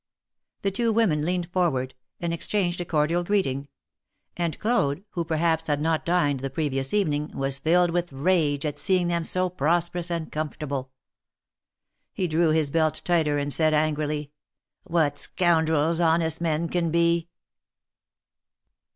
The two women leaned forward, and exchanged a cordial greeting; and Claude, who perhaps had not dined the previous evening, was filled with rage at seeing them so prosperous and comfortable. He drew his belt tighter and said, angrily; What scoundrels honest men can be!